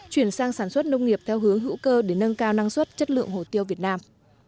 chuyển sang sản xuất nông nghiệp theo hướng hữu cơ để nâng cao năng suất chất lượng hồ tiêu việt nam